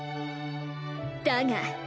だが！